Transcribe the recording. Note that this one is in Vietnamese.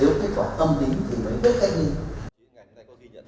nếu kết quả tâm tính thì mới được cách ly